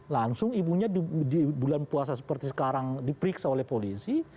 langsung ibunya di bulan puasa seperti sekarang diperiksa oleh polisi